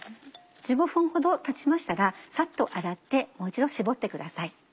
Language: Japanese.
１５分ほどたちましたらさっと洗ってもう一度絞ってください。